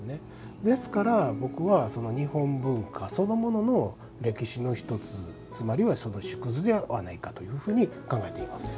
ですから僕は日本文化そのものの歴史の１つ、つまりは縮図ではないかというふうに考えています。